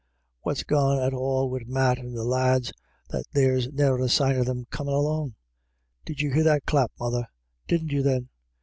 What's gone at all wid Matt and the lads, that there's ne'er a sign of them comin' along? — Did you hear that clap, mother ? Didn't you then